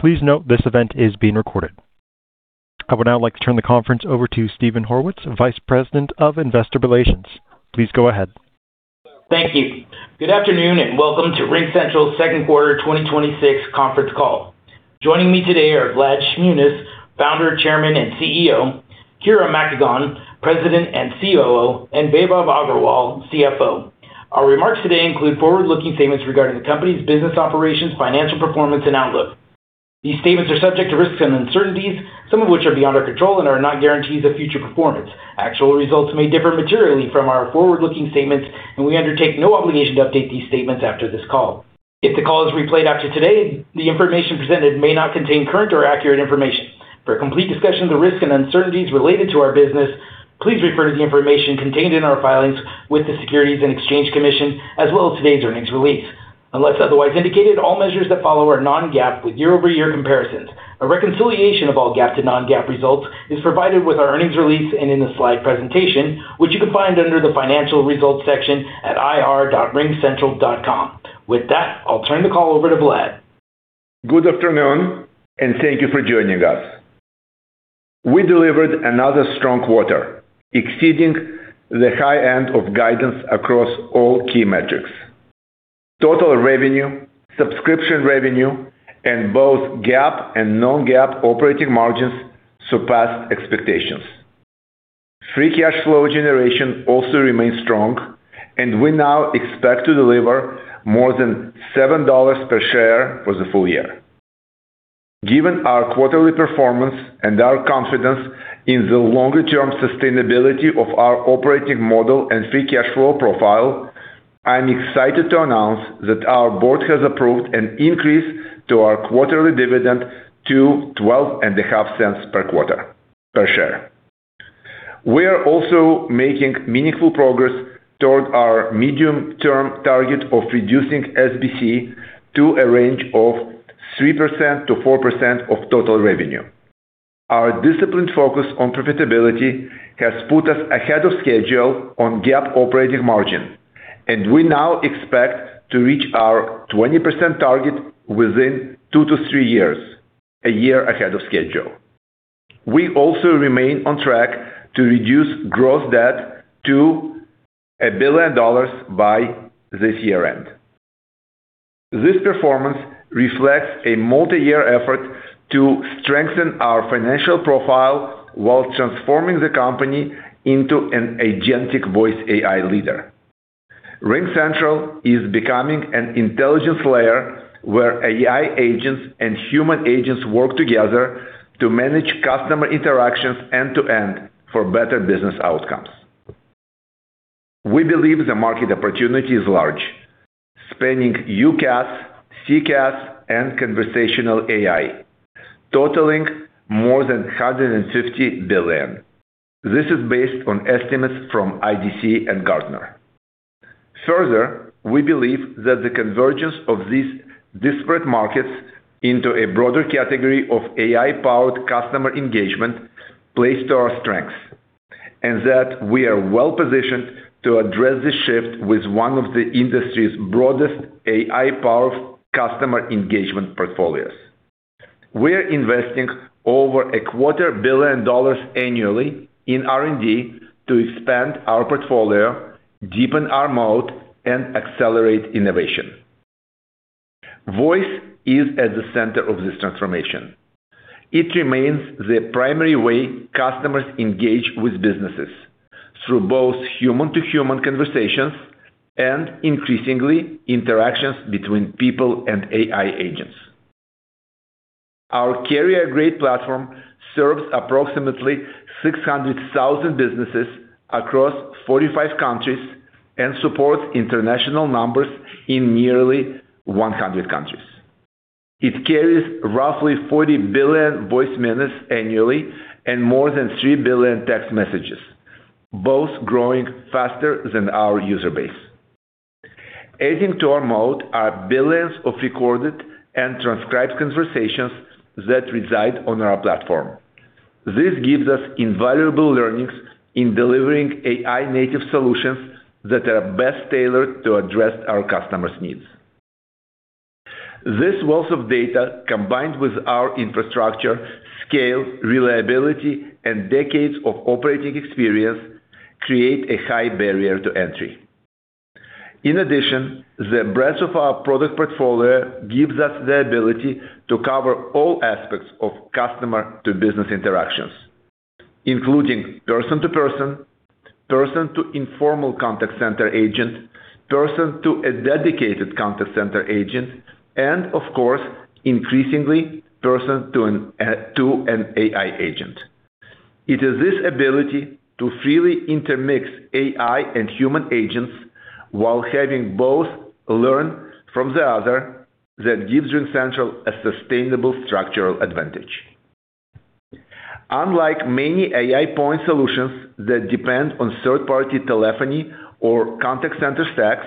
Please note this event is being recorded. I would now like to turn the conference over to Steven Horwitz, Vice President of Investor Relations. Please go ahead. Thank you. Good afternoon and welcome to RingCentral's second quarter 2026 conference call. Joining me today are Vlad Shmunis, Founder, Chairman, and CEO, Kira Makagon, President and COO, and Vaibhav Agarwal, CFO. Our remarks today include forward-looking statements regarding the company's business operations, financial performance, and outlook. These statements are subject to risks and uncertainties, some of which are beyond our control and are not guarantees of future performance. Actual results may differ materially from our forward-looking statements and we undertake no obligation to update these statements after this call. If the call is replayed after today, the information presented may not contain current or accurate information. For a complete discussion of the risks and uncertainties related to our business, please refer to the information contained in our filings with the Securities and Exchange Commission, as well as today's earnings release. Unless otherwise indicated, all measures that follow are non-GAAP with year-over-year comparisons. A reconciliation of all GAAP to non-GAAP results is provided with our earnings release and in the slide presentation, which you can find under the Financial Results section at ir.ringcentral.com. With that, I'll turn the call over to Vlad. Good afternoon and thank you for joining us. We delivered another strong quarter, exceeding the high end of guidance across all key metrics. Total revenue, subscription revenue, and both GAAP and non-GAAP operating margins surpassed expectations. Free cash flow generation also remains strong, and we now expect to deliver more than $7 per share for the full-year. Given our quarterly performance and our confidence in the longer-term sustainability of our operating model and free cash flow profile, I'm excited to announce that our board has approved an increase to our quarterly dividend to $0.125 per quarter, per share. We are also making meaningful progress toward our medium-term target of reducing SBC to a range of 3%-4% of total revenue. Our disciplined focus on profitability has put us ahead of schedule on GAAP operating margin. We now expect to reach our 20% target within two to three years, a year ahead of schedule. We also remain on track to reduce gross debt to $1 billion by this year-end. This performance reflects a multi-year effort to strengthen our financial profile while transforming the company into an agentic voice AI leader. RingCentral is becoming an intelligence layer where AI agents and human agents work together to manage customer interactions end-to-end for better business outcomes. We believe the market opportunity is large, spanning UCaaS, CCaaS, and conversational AI, totaling more than $150 billion. This is based on estimates from IDC and Gartner. We believe that the convergence of these disparate markets into a broader category of AI-powered customer engagement plays to our strengths. We are well-positioned to address this shift with one of the industry's broadest AI-powered customer engagement portfolios. We're investing over a quarter of a billion dollars annually in R&D to expand our portfolio, deepen our moat, and accelerate innovation. Voice is at the center of this transformation. It remains the primary way customers engage with businesses through both human-to-human conversations and increasingly, interactions between people and AI agents. Our carrier-grade platform serves approximately 600,000 businesses across 45 countries and supports international numbers in nearly 100 countries. It carries roughly 40 billion voice minutes annually and more than 3 billion text messages, both growing faster than our user base. Adding to our moat are billions of recorded and transcribed conversations that reside on our platform. This gives us invaluable learnings in delivering AI-native solutions that are best tailored to address our customers' needs. This wealth of data, combined with our infrastructure, scale, reliability, and decades of operating experience, create a high barrier to entry. In addition, the breadth of our product portfolio gives us the ability to cover all aspects of customer-to-business interactions, including person-to-person, person to informal contact center agent, person to a dedicated contact center agent, and of course, increasingly, person to an AI agent. It is this ability to freely intermix AI and human agents while having both learn from the other that gives RingCentral a sustainable structural advantage. Unlike many AI point solutions that depend on third-party telephony or contact center stacks,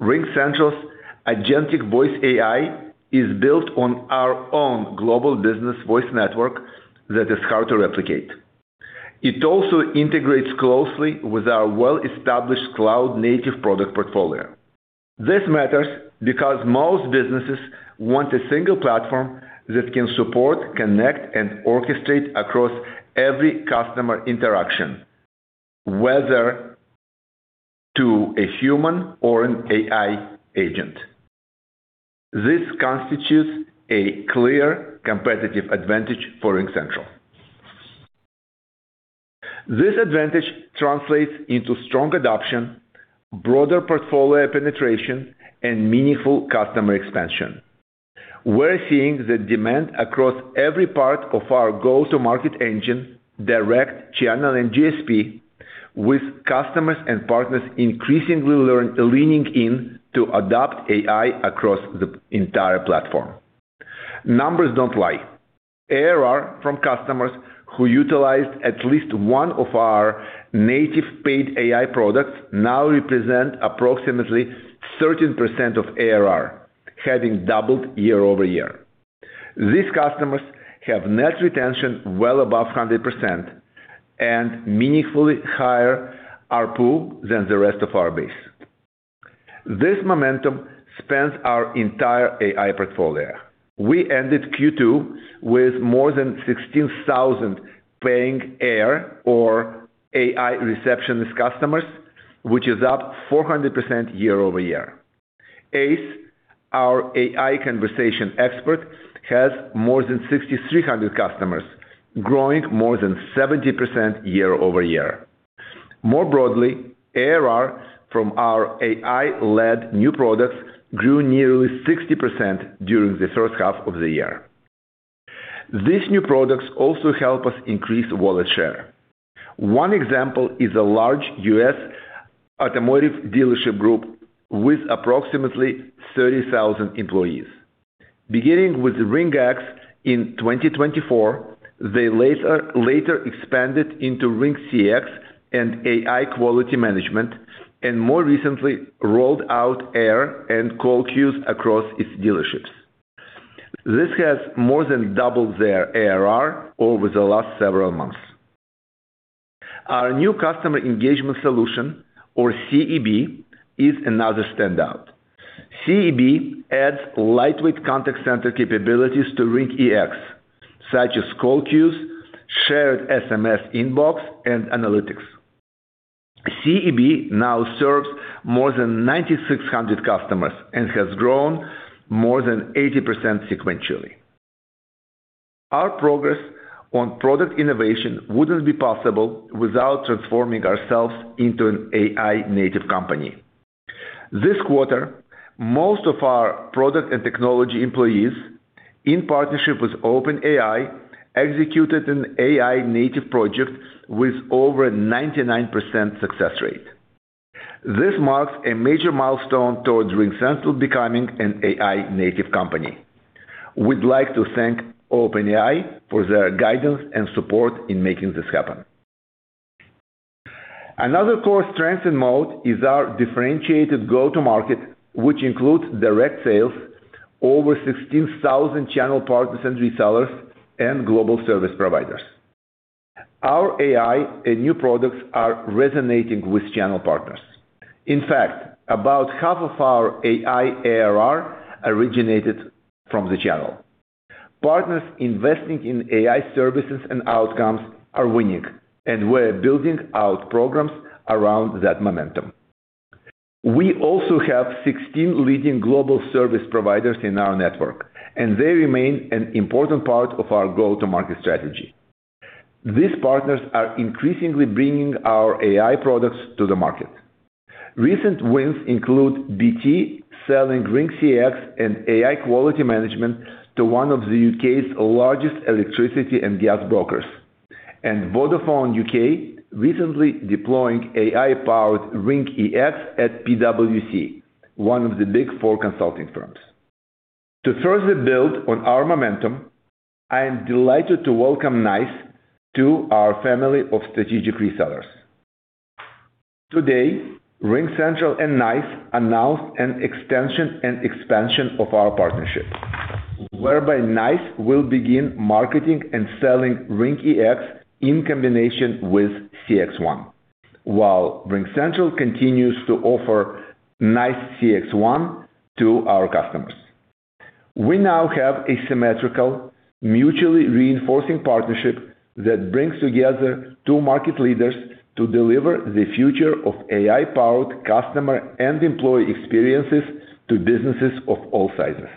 RingCentral's agentic voice AI is built on our own global business voice network that is hard to replicate. It also integrates closely with our well-established cloud-native product portfolio. This matters because most businesses want a single platform that can support, connect, and orchestrate across every customer interaction, whether to a human or an AI agent. This constitutes a clear competitive advantage for RingCentral. This advantage translates into strong adoption, broader portfolio penetration, and meaningful customer expansion. We're seeing the demand across every part of our go-to-market engine, direct channel, and GSP, with customers and partners increasingly leaning in to adopt AI across the entire platform. Numbers don't lie. ARR from customers who utilized at least one of our native paid AI products now represent approximately 13% of ARR, having doubled year-over-year. These customers have net retention well above 100% and meaningfully higher ARPU than the rest of our base. This momentum spans our entire AI portfolio. We ended Q2 with more than 16,000 paying AIR or AI Receptionist customers, which is up 400% year-over-year. ACE, our AI Conversation Expert, has more than 6,300 customers, growing more than 70% year-over-year. More broadly, ARR from our AI-led new products grew nearly 60% during the first half of the year. These new products also help us increase wallet share. One example is a large U.S. automotive dealership group with approximately 30,000 employees. Beginning with RingEX in 2024, they later expanded into RingCX and AI quality management, and more recently rolled out AIR and call queues across its dealerships. This has more than doubled their ARR over the last several months. Our new Customer Engagement Bundle, or CEB, is another standout. CEB adds lightweight contact center capabilities to RingEX, such as call queues, shared SMS inbox, and analytics. CEB now serves more than 9,600 customers and has grown more than 80% sequentially. Our progress on product innovation wouldn't be possible without transforming ourselves into an AI-native company. This quarter, most of our product and technology employees, in partnership with OpenAI, executed an AI-native project with over 99% success rate. This marks a major milestone towards RingCentral becoming an AI-native company. We'd like to thank OpenAI for their guidance and support in making this happen. Another core strength in mode is our differentiated go-to-market, which includes direct sales, over 16,000 channel partners and resellers, and global service providers. Our AI and new products are resonating with channel partners. About half of our AI ARR originated from the channel. Partners investing in AI services and outcomes are winning, and we're building out programs around that momentum. We also have 16 leading global service providers in our network, and they remain an important part of our go-to-market strategy. These partners are increasingly bringing our AI products to the market. Recent wins include BT selling RingCX and AI quality management to one of the U.K.'s largest electricity and gas brokers, and Vodafone U.K. recently deploying AI-powered RingEX at PwC, one of the Big Four consulting firms. To further build on our momentum, I am delighted to welcome NiCE to our family of strategic resellers. Today, RingCentral and NiCE announced an extension and expansion of our partnership, whereby NiCE will begin marketing and selling RingEX in combination with CXone, while RingCentral continues to offer NiCE CXone to our customers. We now have a symmetrical, mutually reinforcing partnership that brings together two market leaders to deliver the future of AI-powered customer and employee experiences to businesses of all sizes.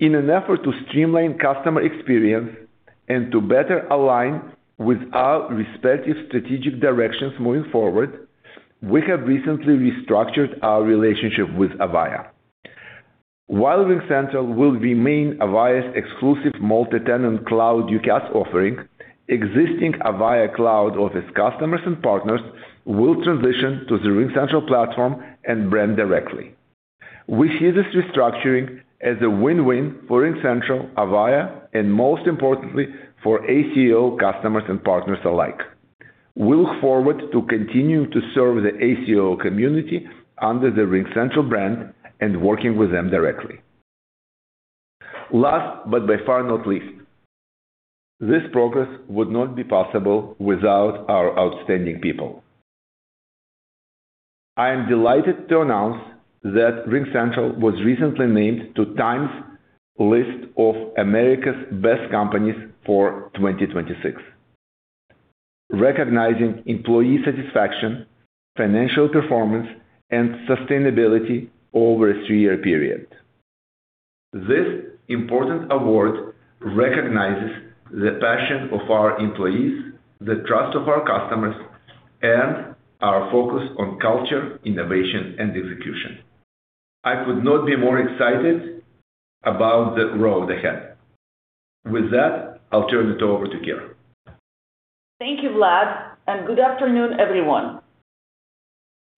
In an effort to streamline customer experience and to better align with our respective strategic directions moving forward, we have recently restructured our relationship with Avaya. RingCentral will remain Avaya's exclusive multi-tenant cloud UCaaS offering, existing Avaya Cloud Office customers and partners will transition to the RingCentral platform and brand directly. We see this restructuring as a win-win for RingCentral, Avaya, and most importantly, for ACO customers and partners alike. We look forward to continuing to serve the ACO community under the RingCentral brand and working with them directly. Last, by far not least, this progress would not be possible without our outstanding people. I am delighted to announce that RingCentral was recently named to TIME's list of America's Best Companies for 2026, recognizing employee satisfaction, financial performance, and sustainability over a three-year period. This important award recognizes the passion of our employees, the trust of our customers, and our focus on culture, innovation, and execution. I could not be more excited about the road ahead. With that, I'll turn it over to Kira. Thank you, Vlad, and good afternoon, everyone.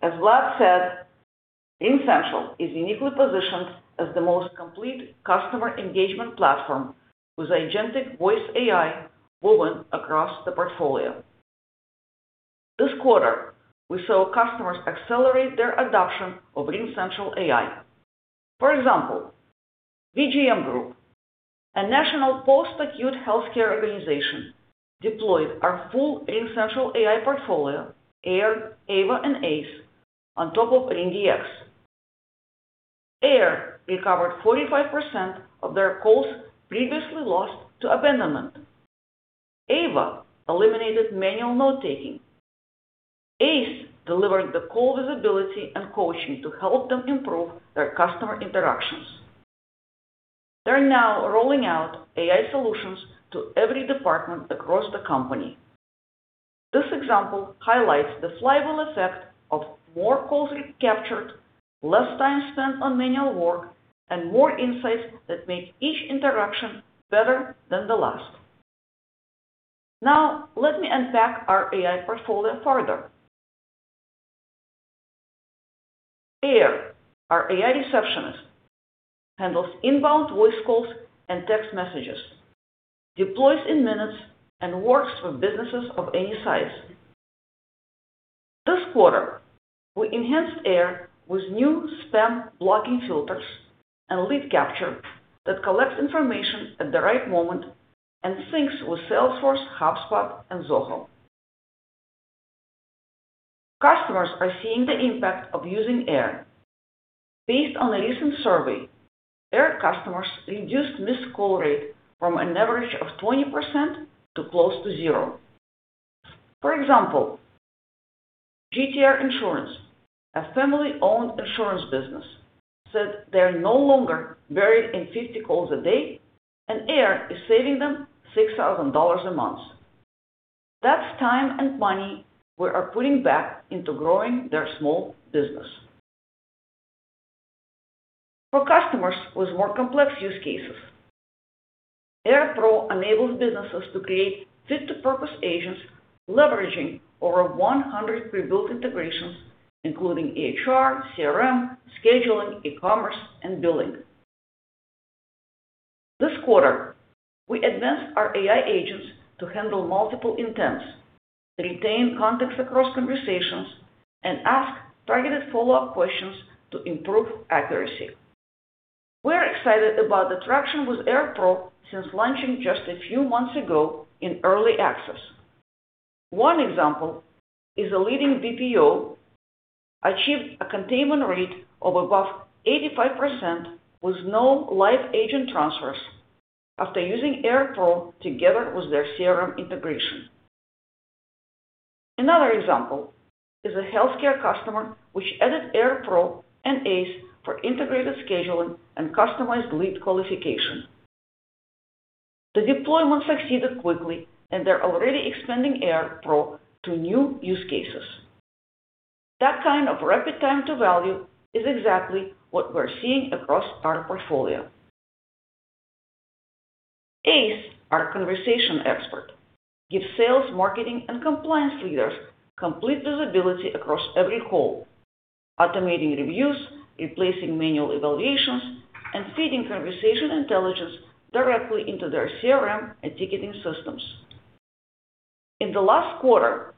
As Vlad said, RingCentral is uniquely positioned as the most complete customer engagement platform with agentic voice AI woven across the portfolio. This quarter, we saw customers accelerate their adoption of RingCentral AI. For example, VGM Group, a national post-acute healthcare organization, deployed our full RingCentral AI portfolio, AIR, AVA, and ACE, on top of RingEX. AIR recovered 45% of their calls previously lost to abandonment. AVA eliminated manual note-taking. ACE delivered the call visibility and coaching to help them improve their customer interactions. They're now rolling out AI solutions to every department across the company. This example highlights the flywheel effect of more calls recaptured, less time spent on manual work, and more insights that make each interaction better than the last. Let me unpack our AI portfolio further. AIR, our AI Receptionist, handles inbound voice calls and text messages, deploys in minutes, and works for businesses of any size. This quarter, we enhanced AIR with new spam blocking filters and lead capture that collects information at the right moment and syncs with Salesforce, HubSpot, and Zoho. Customers are seeing the impact of using AIR. Based on a recent survey, AIR customers reduced missed call rate from an average of 20% to close to zero. For example, GTR Insurance, a family-owned insurance business, said they're no longer buried in 50 calls a day, and AIR is saving them $6,000 a month. That's time and money they are putting back into growing their small business. For customers with more complex use cases, AIR Pro enables businesses to create fit-to-purpose agents leveraging over 100 pre-built integrations, including HR, CRM, scheduling, e-commerce, and billing. This quarter, we advanced our AI agents to handle multiple intents, retain context across conversations, and ask targeted follow-up questions to improve accuracy. We're excited about the traction with AIR Pro since launching just a few months ago in early access. One example is a leading BPO achieved a containment rate of above 85% with no live agent transfers after using AIR Pro together with their CRM integration. Another example is a healthcare customer which added AIR Pro and ACE for integrated scheduling and customized lead qualification. The deployment succeeded quickly, and they're already expanding AIR Pro to new use cases. That kind of rapid time to value is exactly what we're seeing across our portfolio. ACE, our conversation expert, gives sales, marketing, and compliance leaders complete visibility across every call, automating reviews, replacing manual evaluations, and feeding conversation intelligence directly into their CRM and ticketing systems. In the last quarter,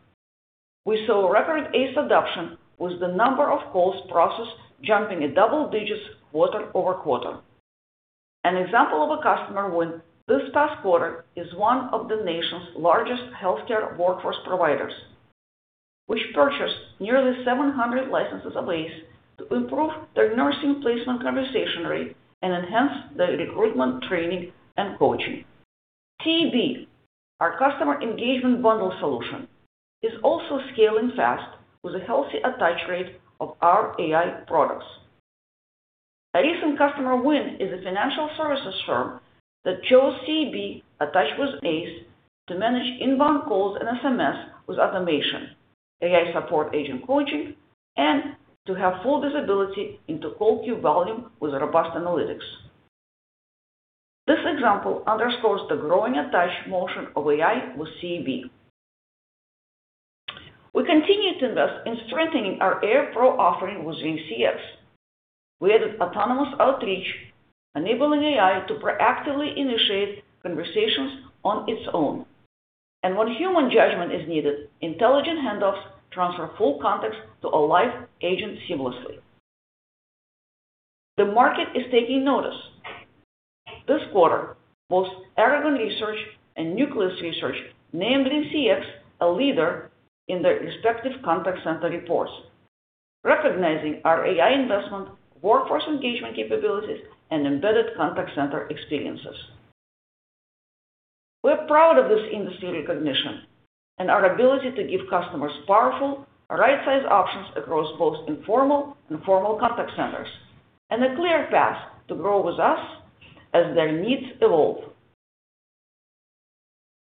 we saw record ACE adoption with the number of calls processed jumping at double digits quarter-over-quarter. An example of a customer win this past quarter is one of the nation's largest healthcare workforce providers, which purchased nearly 700 licenses of ACE to improve their nursing placement conversation rate and enhance their recruitment training and coaching. CEB, our Customer Engagement Bundle, is also scaling fast with a healthy attach rate of our AI products. A recent customer win is a financial services firm that chose CEB attached with ACE to manage inbound calls and SMS with automation, AI support agent coaching, and to have full visibility into call queue volume with robust analytics. This example underscores the growing attach motion of AI with CEB. We continue to invest in strengthening our AIR Pro offering with RingCX. We added autonomous outreach, enabling AI to proactively initiate conversations on its own. When human judgment is needed, intelligent handoffs transfer full context to a live agent seamlessly. The market is taking notice. This quarter, both Aragon Research and Nucleus Research named RingCX a leader in their respective contact center reports, recognizing our AI investment, workforce engagement capabilities, and embedded contact center experiences. We're proud of this industry recognition and our ability to give customers powerful, right-size options across both informal and formal contact centers, and a clear path to grow with us as their needs evolve.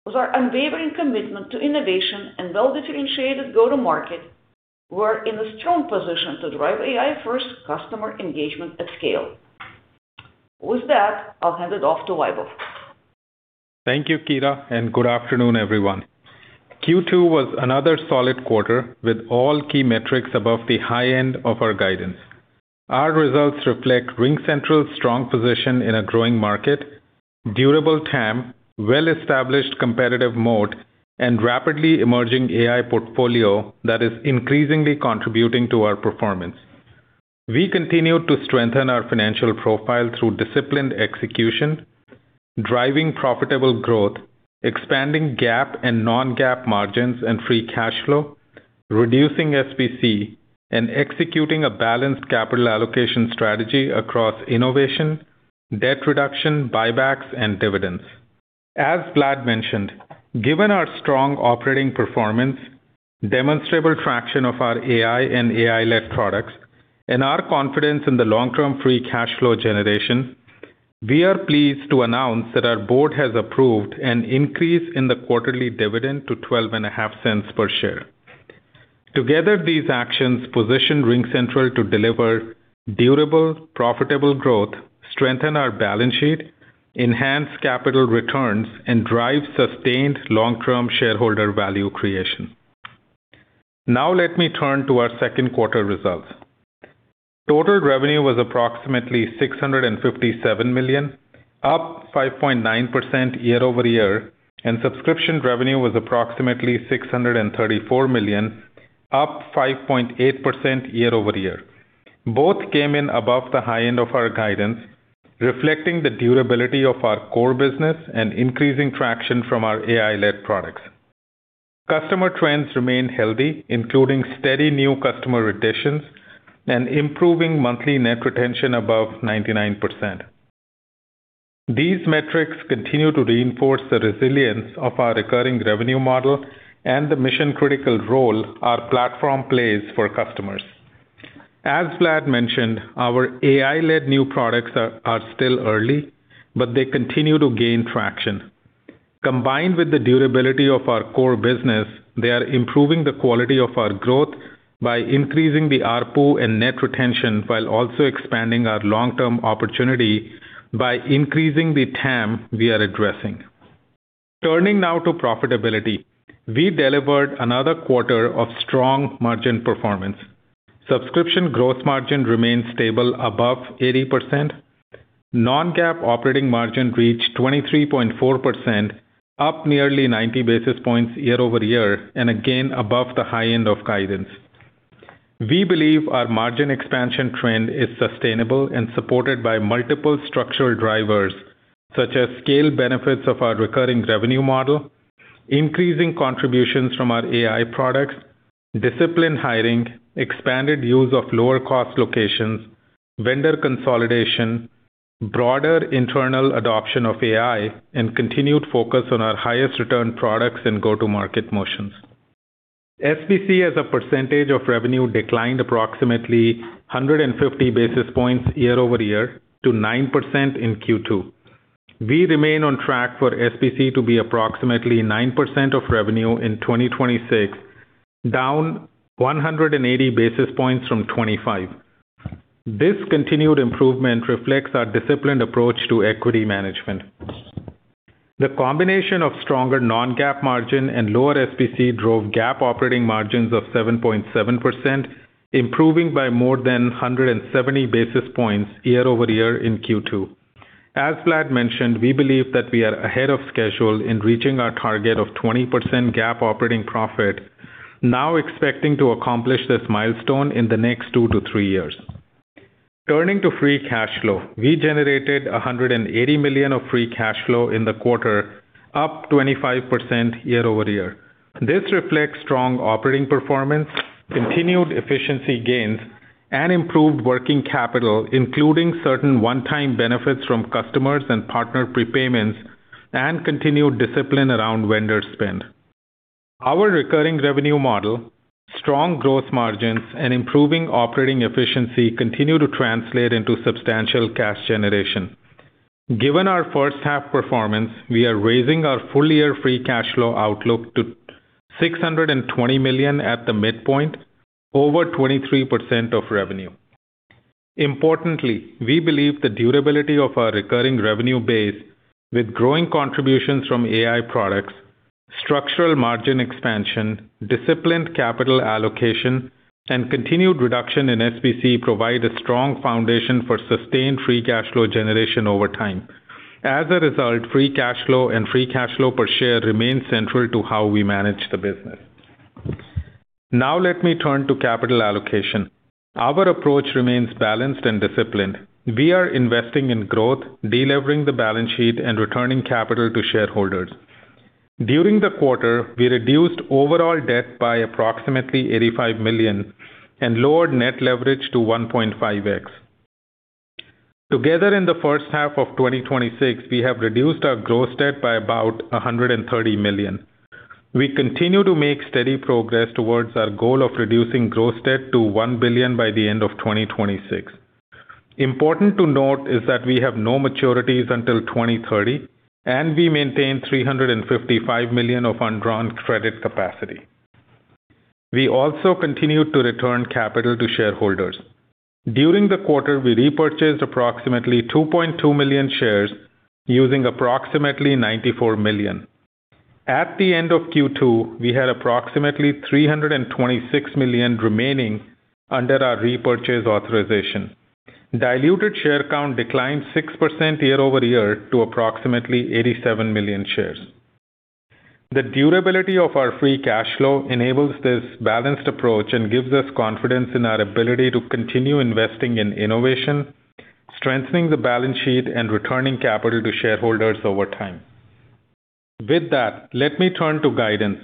With our unwavering commitment to innovation and well-differentiated go-to-market, we're in a strong position to drive AI-first customer engagement at scale. With that, I'll hand it off to Vaibhav. Thank you, Kira, and good afternoon, everyone. Q2 was another solid quarter with all key metrics above the high end of our guidance. Our results reflect RingCentral's strong position in a growing market, durable TAM, well-established competitive moat, and rapidly emerging AI portfolio that is increasingly contributing to our performance. We continue to strengthen our financial profile through disciplined execution, driving profitable growth, expanding GAAP and non-GAAP margins and free cash flow, reducing SBC, and executing a balanced capital allocation strategy across innovation, debt reduction, buybacks, and dividends. As Vlad mentioned, given our strong operating performance, demonstrable traction of our AI and AI-led products, and our confidence in the long-term free cash flow generation, we are pleased to announce that our board has approved an increase in the quarterly dividend to $0.125 per share. Together, these actions position RingCentral to deliver durable, profitable growth, strengthen our balance sheet, enhance capital returns, and drive sustained long-term shareholder value creation. Now let me turn to our second quarter results. Total revenue was approximately $657 million, up 5.9% year-over-year, and subscription revenue was approximately $634 million, up 5.8% year-over-year. Both came in above the high end of our guidance, reflecting the durability of our core business and increasing traction from our AI-led products. Customer trends remain healthy, including steady new customer additions and improving monthly net retention above 99%. These metrics continue to reinforce the resilience of our recurring revenue model and the mission-critical role our platform plays for customers. As Vlad mentioned, our AI-led new products are still early, but they continue to gain traction. Combined with the durability of our core business, they are improving the quality of our growth by increasing the ARPU and net retention while also expanding our long-term opportunity by increasing the TAM we are addressing. Turning now to profitability. We delivered another quarter of strong margin performance. Subscription growth margin remained stable above 80%. Non-GAAP operating margin reached 23.4%, up nearly 90 basis points year-over-year, and again above the high end of guidance. We believe our margin expansion trend is sustainable and supported by multiple structural drivers, such as scale benefits of our recurring revenue model, increasing contributions from our AI products, disciplined hiring, expanded use of lower cost locations, vendor consolidation, broader internal adoption of AI, and continued focus on our highest return products and go-to-market motions. SBC as a percentage of revenue declined approximately 150 basis points year-over-year to 9% in Q2. We remain on track for SBC to be approximately 9% of revenue in 2026, down 180 basis points from 2025. This continued improvement reflects our disciplined approach to equity management. The combination of stronger non-GAAP margin and lower SBC drove GAAP operating margins of 7.7%, improving by more than 170 basis points year-over-year in Q2. As Vlad mentioned, we believe that we are ahead of schedule in reaching our target of 20% GAAP operating profit, now expecting to accomplish this milestone in the next two to three years. Turning to free cash flow. We generated $180 million of free cash flow in the quarter, up 25% year-over-year. This reflects strong operating performance, continued efficiency gains, and improved working capital, including certain one-time benefits from customers and partner prepayments and continued discipline around vendor spend. Our recurring revenue model, strong growth margins, and improving operating efficiency continue to translate into substantial cash generation. Given our first half performance, we are raising our full-year free cash flow outlook to $620 million at the midpoint, over 23% of revenue. Importantly, we believe the durability of our recurring revenue base with growing contributions from AI products, structural margin expansion, disciplined capital allocation, and continued reduction in SBC provide a strong foundation for sustained free cash flow generation over time. As a result, free cash flow and free cash flow per share remain central to how we manage the business. Now let me turn to capital allocation. Our approach remains balanced and disciplined. We are investing in growth, delevering the balance sheet, and returning capital to shareholders. During the quarter, we reduced overall debt by approximately $85 million and lowered net leverage to 1.5x. Together, in the first half of 2026, we have reduced our gross debt by about $130 million. We continue to make steady progress towards our goal of reducing gross debt to $1 billion by the end of 2026. Important to note is that we have no maturities until 2030, and we maintain $355 million of undrawn credit capacity. We also continue to return capital to shareholders. During the quarter, we repurchased approximately 2.2 million shares using approximately $94 million. At the end of Q2, we had approximately $326 million remaining under our repurchase authorization. Diluted share count declined 6% year-over-year to approximately 87 million shares. The durability of our free cash flow enables this balanced approach and gives us confidence in our ability to continue investing in innovation, strengthening the balance sheet, and returning capital to shareholders over time. With that, let me turn to guidance.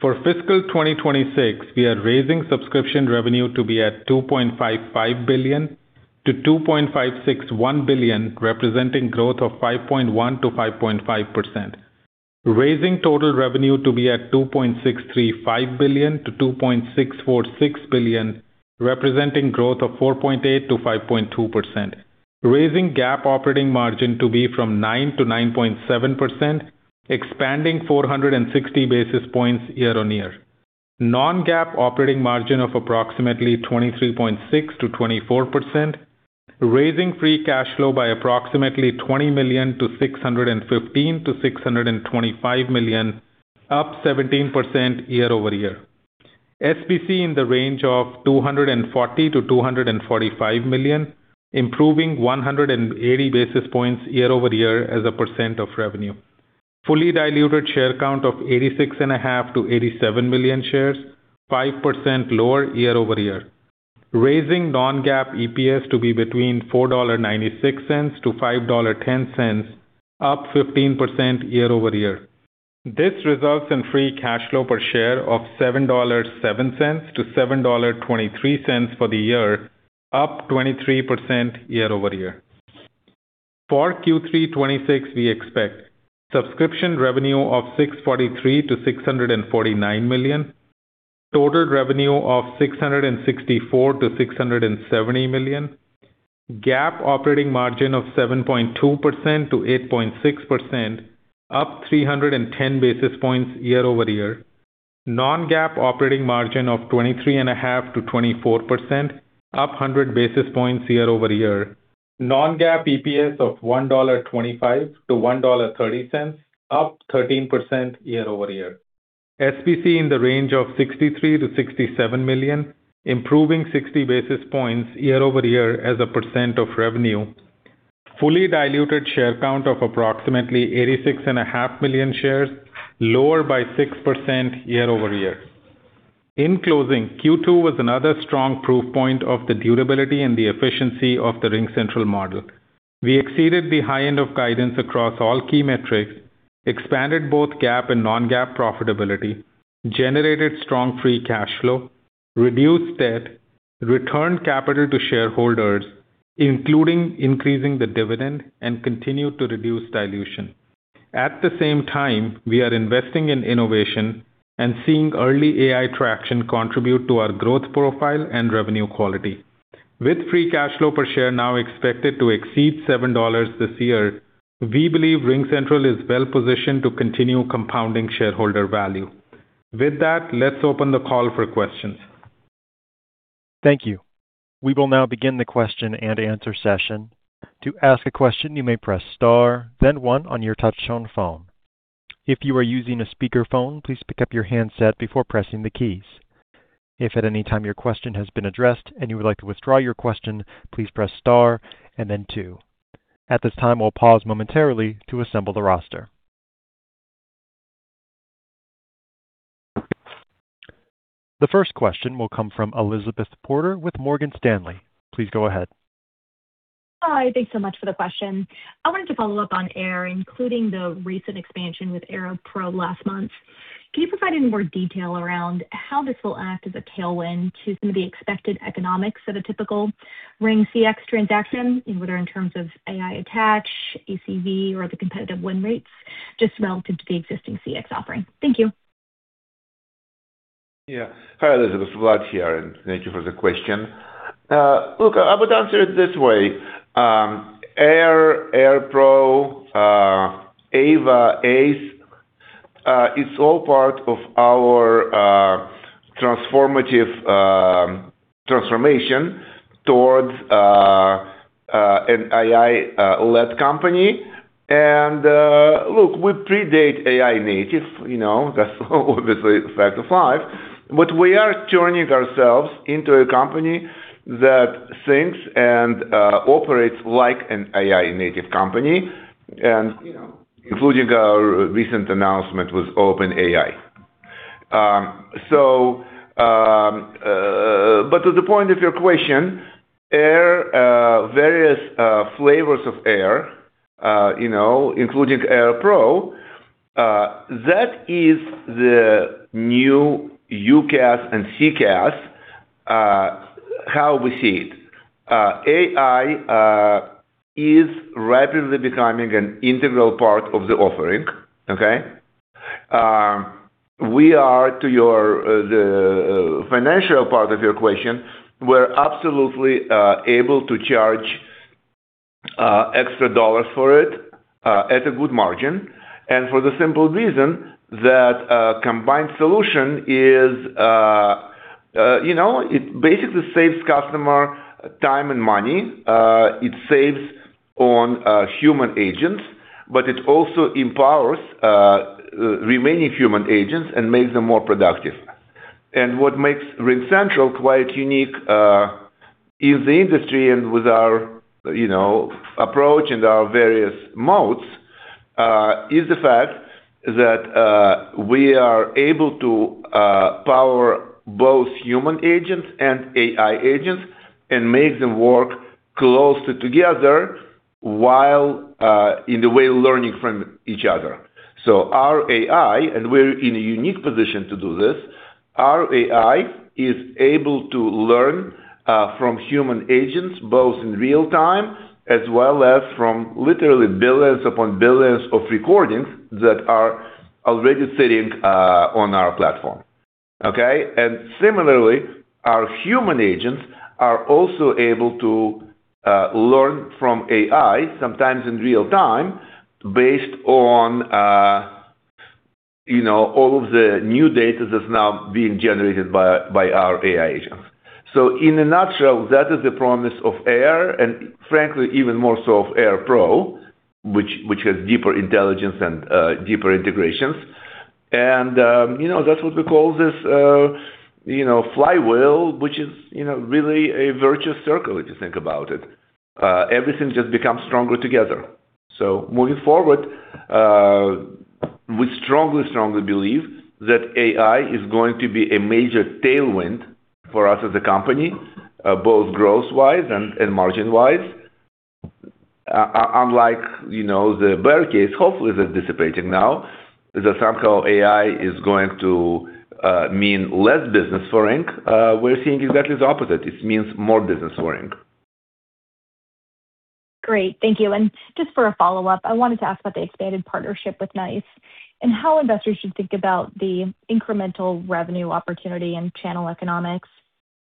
For fiscal 2026, we are raising subscription revenue to be at $2.55 billion-$2.561 billion, representing growth of 5.1%-5.5%. Raising total revenue to be at $2.635 billion-$2.646 billion, representing growth of 4.8%-5.2%. Raising GAAP operating margin to be from 9%-9.7%, expanding 460 basis points year-on-year. Non-GAAP operating margin of approximately 23.6%-24%, raising free cash flow by approximately $20 million to $615 million-$625 million, up 17% year-over-year. SBC in the range of $240 million-$245 million, improving 180 basis points year-over-year as a percent of revenue. Fully diluted share count of 86.5 million-87 million shares, 5% lower year-over-year. Raising non-GAAP EPS to be between $4.96-$5.10, up 15% year-over-year. This results in free cash flow per share of $7.07-$7.23 for the year, up 23% year-over-year. For Q3 2026, we expect subscription revenue of $643 million-$649 million, total revenue of $664 million-$670 million, GAAP operating margin of 7.2%-8.6%, up 310 basis points year-over-year. Non-GAAP operating margin of 23.5%-24%, up 100 basis points year-over-year. Non-GAAP EPS of $1.25-$1.30, up 13% year-over-year. SBC in the range of $63 million-$67 million, improving 60 basis points year-over-year as a percent of revenue. Fully diluted share count of approximately 86.5 million shares, lower by 6% year-over-year. In closing, Q2 was another strong proof point of the durability and the efficiency of the RingCentral model. We exceeded the high end of guidance across all key metrics, expanded both GAAP and non-GAAP profitability, generated strong free cash flow, reduced debt, returned capital to shareholders, including increasing the dividend, and continued to reduce dilution. At the same time, we are investing in innovation and seeing early AI traction contribute to our growth profile and revenue quality. With free cash flow per share now expected to exceed $7 this year, we believe RingCentral is well-positioned to continue compounding shareholder value. With that, let's open the call for questions. Thank you. We will now begin the question and answer session. To ask a question, you may press star then one on your touch-tone phone. If you are using a speakerphone, please pick up your handset before pressing the keys. If at any time your question has been addressed and you would like to withdraw your question, please press star and then two. At this time, we'll pause momentarily to assemble the roster. The first question will come from Elizabeth Porter with Morgan Stanley. Please go ahead. Hi. Thanks so much for the question. I wanted to follow up on AIR, including the recent expansion with AIR Pro last month. Can you provide any more detail around how this will act as a tailwind to some of the expected economics of a typical RingCX transaction in whether in terms of AI attach, ACV, or the competitive win rates, just relative to the existing CX offering? Thank you. Yeah. Hi, Elizabeth. Vlad here. Thank you for the question. Look, I would answer it this way. AIR Pro, AVA, ACE, it's all part of our transformative transformation towards an AI-led company. Look, we predate AI native, that's obviously a fact of life. We are turning ourselves into a company that thinks and operates like an AI native company including our recent announcement with OpenAI. To the point of your question, AIR, various flavors of AIR, including AIR Pro, that is the new UCaaS and CCaaS, how we see it. AI is rapidly becoming an integral part of the offering. Okay? We are, to the financial part of your question, we're absolutely able to charge extra dollars for it at a good margin. For the simple reason that a combined solution basically saves customer time and money. It saves on human agents, but it also empowers remaining human agents and makes them more productive. What makes RingCentral quite unique in the industry and with our approach and our various modes, is the fact that we are able to power both human agents and AI agents and make them work closely together while in the way learning from each other. Our AI, and we're in a unique position to do this, our AI is able to learn from human agents, both in real-time as well as from literally billions upon billions of recordings that are already sitting on our platform. Okay? Similarly, our human agents are also able to learn from AI sometimes in real time based on all of the new data that's now being generated by our AI agents. In a nutshell, that is the promise of AIR, and frankly, even more so of AIR Pro, which has deeper intelligence and deeper integrations. That's what we call this flywheel, which is really a virtuous circle if you think about it. Everything just becomes stronger together. Moving forward, we strongly believe that AI is going to be a major tailwind for us as a company both growth-wise and margin-wise. Unlike the bear case, hopefully, that's dissipating now, that somehow AI is going to mean less business for Ring. We're seeing exactly the opposite. It means more business for RingCentral. Great. Thank you. Just for a follow-up, I wanted to ask about the expanded partnership with NiCE and how investors should think about the incremental revenue opportunity and channel economics.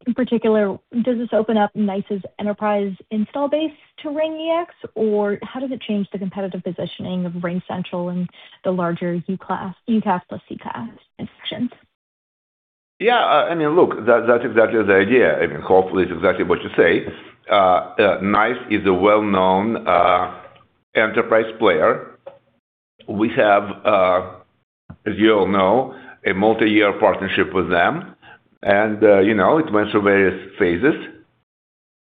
In particular, does this open up NiCE's enterprise install base to RingEX, or how does it change the competitive positioning of RingCentral and the larger UCaaS plus CCaaS sections? That's exactly the idea. Hopefully, it's exactly what you say. NiCE is a well-known enterprise player. We have, as you all know, a multi-year partnership with them, and it went through various phases.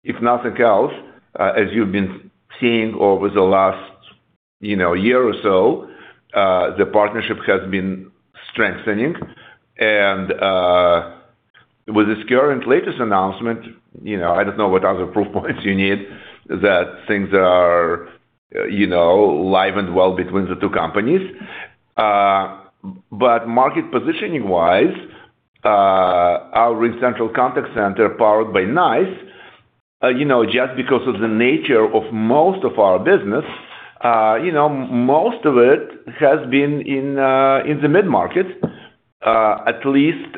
If nothing else, as you've been seeing over the last year or so, the partnership has been strengthening. With this current latest announcement, I don't know what other proof points you need that things are live and well between the two companies. Market positioning-wise, our RingCentral Contact Center powered by NiCE, just because of the nature of most of our business, most of it has been in the mid-market, at least,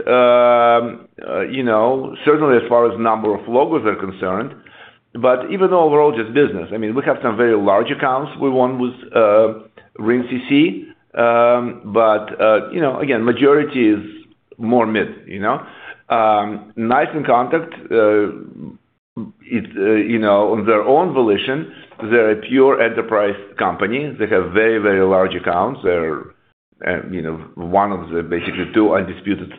certainly as far as number of logos are concerned. Even overall, just business. We have some very large accounts we won with RingCX, but again, majority is more mid. NiCE in contact, on their own volition, they're a pure enterprise company. They have very, very large accounts. They're one of the basically two undisputed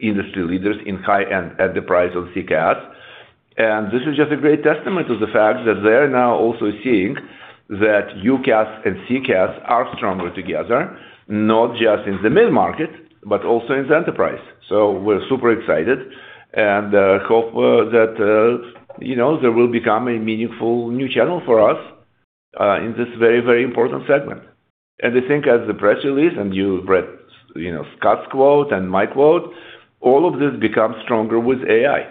industry leaders in high-end enterprise on CCaaS. This is just a great testament to the fact that they're now also seeing that UCaaS and CCaaS are stronger together, not just in the mid-market, but also in the enterprise. We're super excited and hope that there will become a meaningful new channel for us in this very, very important segment. I think as the press release and you read Scott's quote and my quote, all of this becomes stronger with AI.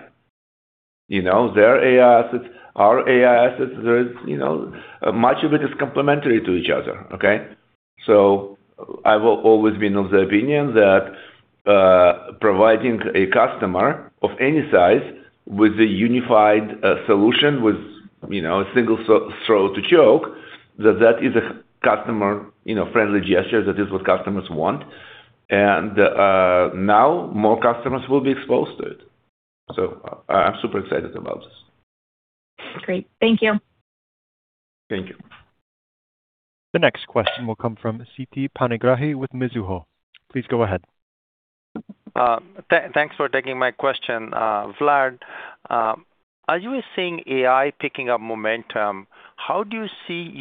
Their AI assets, our AI assets, much of it is complementary to each other. Okay? I will always be of the opinion that providing a customer of any size with a unified solution, with a single throat to choke. That is a customer-friendly gesture. That is what customers want. Now more customers will be exposed to it. I'm super excited about this. Great. Thank you. Thank you. The next question will come from Siti Panigrahi with Mizuho. Please go ahead. Thanks for taking my question. Vlad, as you are seeing AI picking up momentum, how do you see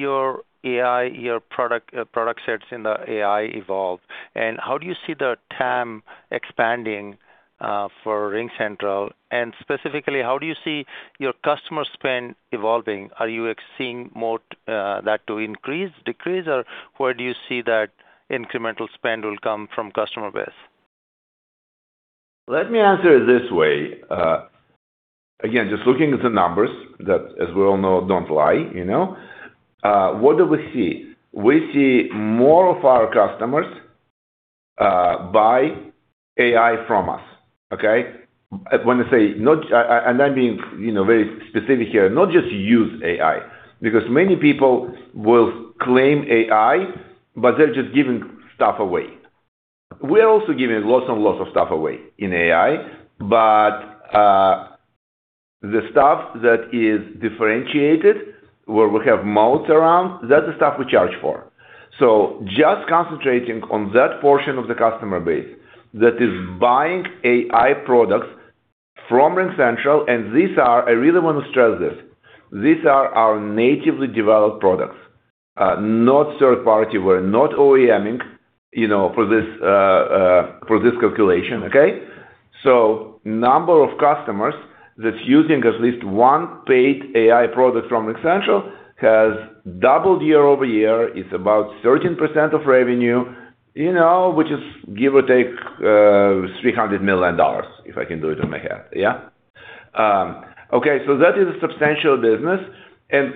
your product sets in the AI evolve, and how do you see the TAM expanding for RingCentral? Specifically, how do you see your customer spend evolving? Are you seeing that to increase, decrease, or where do you see that incremental spend will come from customer base? Let me answer it this way. Just looking at the numbers that, as we all know, don't lie. What do we see? We see more of our customers buy AI from us, okay? I'm being very specific here, not just use AI, because many people will claim AI, but they're just giving stuff away. We're also giving lots and lots of stuff away in AI, but the stuff that is differentiated, where we have moats around, that's the stuff we charge for. Just concentrating on that portion of the customer base that is buying AI products from RingCentral, and I really want to stress this, these are our natively developed products. Not third party. We're not OEMing for this calculation, okay? Number of customers that's using at least one paid AI product from RingCentral has doubled year-over-year. It's about 13% of revenue, which is give or take $300 million, if I can do it in my head. Yeah. That is a substantial business.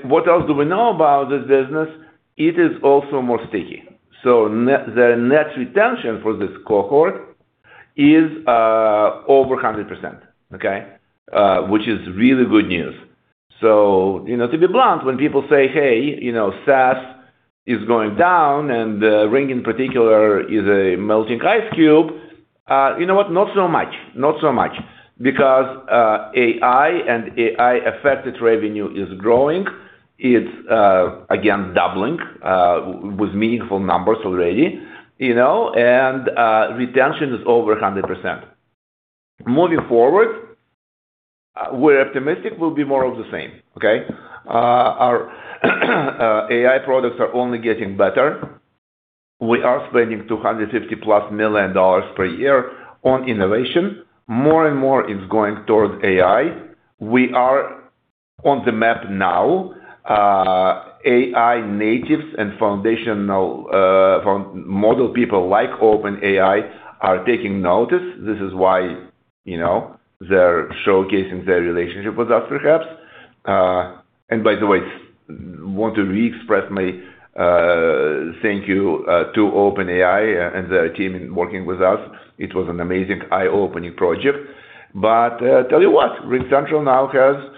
What else do we know about this business? It is also more sticky. The net retention for this cohort is over 100%, okay? Which is really good news. To be blunt, when people say, "Hey, SaaS is going down, and RingCentral in particular is a melting ice cube." You know what? Not so much. AI and AI-affected revenue is growing. It's again doubling, with meaningful numbers already and retention is over 100%. Moving forward, we're optimistic we'll be more of the same, okay? Our AI products are only getting better. We are spending $250 million-plus per year on innovation. More and more is going towards AI. We are on the map now. AI natives and foundational model people like OpenAI are taking notice. This is why they're showcasing their relationship with us, perhaps. By the way, want to re-express my thank you to OpenAI and their team in working with us. It was an amazing eye-opening project. Tell you what, RingCentral now has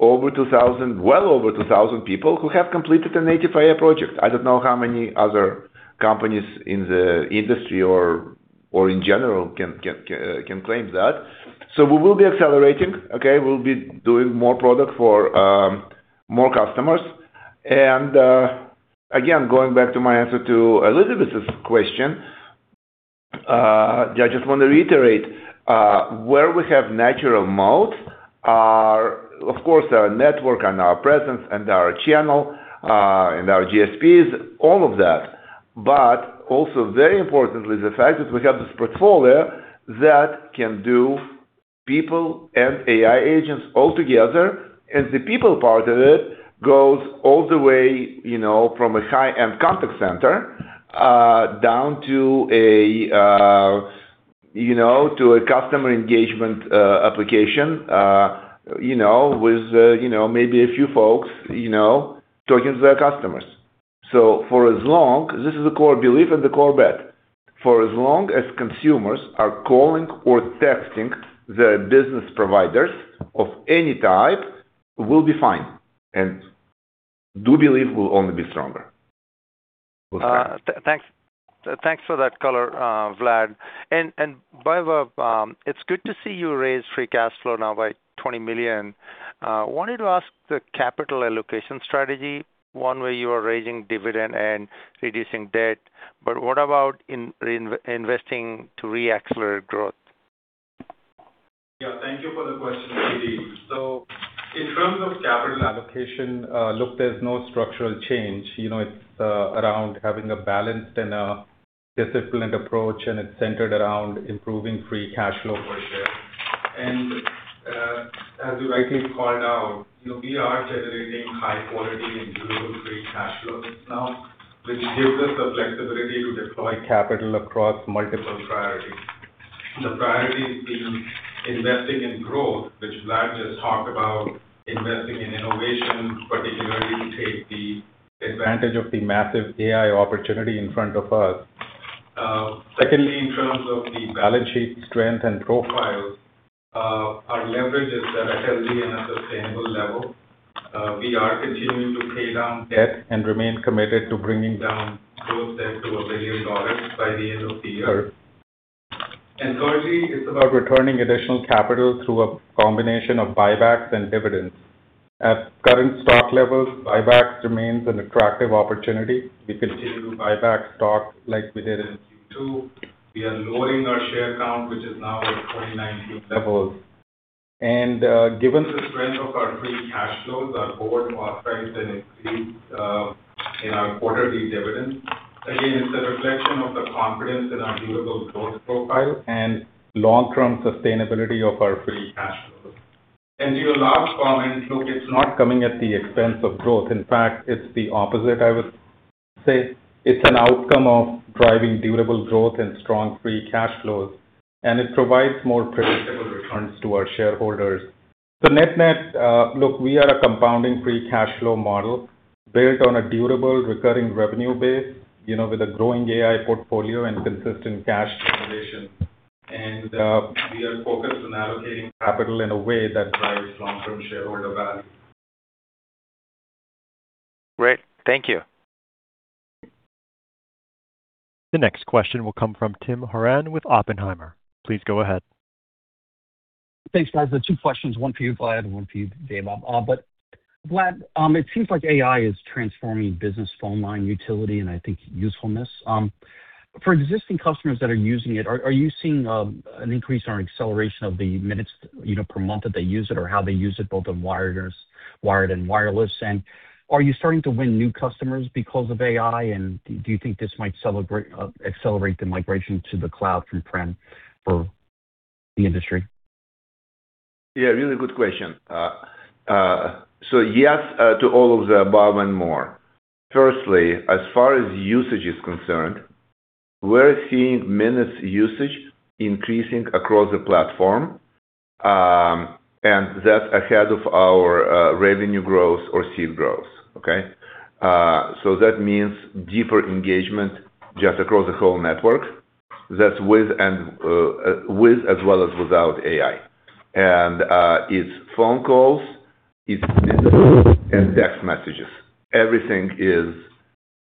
well over 2,000 people who have completed a native AI project. I don't know how many other companies in the industry or in general can claim that. We will be accelerating, okay? We'll be doing more product for more customers. Again, going back to my answer to Elizabeth's question, I just want to reiterate, where we have natural moat are, of course, our network and our presence and our channel, and our GSPs, all of that. Also very importantly, the fact that we have this portfolio that can do people and AI agents all together, and the people part of it goes all the way from a high-end contact center, down to a customer engagement application with maybe a few folks talking to their customers. This is a core belief and the core bet. For as long as consumers are calling or texting their business providers of any type, we'll be fine, and do believe we'll only be stronger. Thanks for that color, Vlad. Vaibhav, it's good to see you raise free cash flow now by $20 million. Wanted to ask the capital allocation strategy, one where you are raising dividend and reducing debt, but what about investing to re-accelerate growth? Thank you for the question, Siti. In terms of capital allocation, look, there's no structural change. It's around having a balanced and a disciplined approach, and it's centered around improving free cash flow per share. As you rightly called out, we are generating high quality and durable free cash flows now, which gives us the flexibility to deploy capital across multiple priorities. The priorities being investing in growth, which Vlad just talked about, investing in innovation, particularly to take the advantage of the massive AI opportunity in front of us. Secondly, in terms of the balance sheet strength and profile, our leverage is at a healthy and a sustainable level. We are continuing to pay down debt and remain committed to bringing down gross debt to $1 billion by the end of the year. Thirdly, it's about returning additional capital through a combination of buybacks and dividends. At current stock levels, buybacks remains an attractive opportunity. We continue to buy back stock like we did in Q2. We are lowering our share count, which is now at 2019 levels. Given the strength of our free cash flows, our board authorized an increase in our quarterly dividends. Again, it's a reflection of the confidence in our durable growth profile and long-term sustainability of our free cash flow. To your last comment, look, it's not coming at the expense of growth. In fact, it's the opposite, I would say. It's an outcome of driving durable growth and strong free cash flows, and it provides more predictable returns to our shareholders. Net-net, look, we are a compounding free cash flow model built on a durable recurring revenue base with a growing AI portfolio and consistent cash generation. We are focused on allocating capital in a way that drives long-term shareholder value. Great. Thank you. The next question will come from Tim Horan with Oppenheimer. Please go ahead. Thanks, guys. Two questions, one for you, Vlad, and one for you, Vaibhav. Vlad, it seems like AI is transforming business phone line utility, and I think usefulness. For existing customers that are using it, are you seeing an increase or an acceleration of the minutes per month that they use it or how they use it, both on wired and wireless? Are you starting to win new customers because of AI? Do you think this might accelerate the migration to the cloud from prem for the industry? Yeah, really good question. Yes, to all of the above and more. Firstly, as far as usage is concerned, we're seeing minutes usage increasing across the platform, and that's ahead of our revenue growth or C growth. Okay. That means deeper engagement just across the whole network. That's with as well as without AI. It's phone calls, it's text messages. Everything is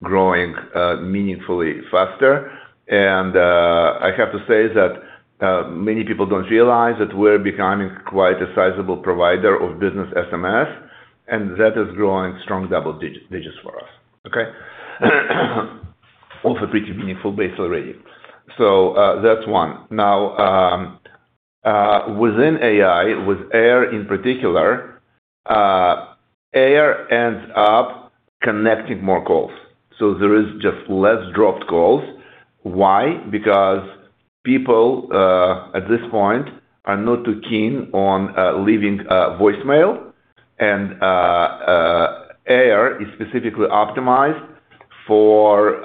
growing meaningfully faster. I have to say that many people don't realize that we're becoming quite a sizable provider of business SMS, and that is growing strong double digits for us. Okay. Off a pretty meaningful base already. That's one. Within AI, with AIR in particular, AIR ends up connecting more calls. There is just less dropped calls. Why? People, at this point, are not too keen on leaving voicemail, and AIR is specifically optimized for